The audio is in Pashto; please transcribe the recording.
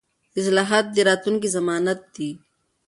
اصلاحات د راتلونکي ضمانت دي